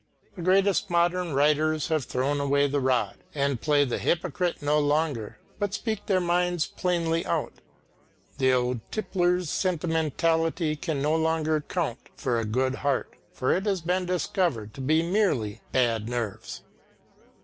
The greatest modern writers have thrown away the rod, and play the hypocrite no longer, but speak their minds plainly out. The old tippler's sentimentality can no longer count for "a good heart," for it has been discovered to be merely bad nerves.